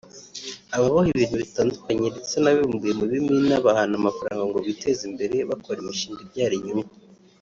ababoha ibintu bitandukanye ndetse n’abibumbiye mu bimina bahana mafaranga ngo biteze imbere bakora imishinga ibyara inyungu